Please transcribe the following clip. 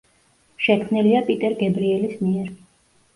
შექმნილია პიტერ გებრიელის მიერ.